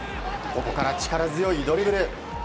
ここから力強いドリブル。